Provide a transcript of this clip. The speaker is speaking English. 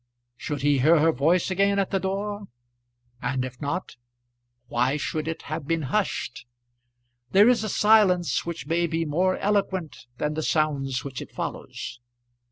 Should he hear her voice again at the door, and if not, why should it have been hushed? There is a silence which may be more eloquent than the sounds which it follows.